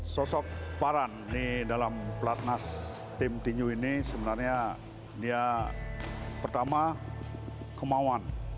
sosok paran di dalam platnas tim tinju ini sebenarnya dia pertama kemauan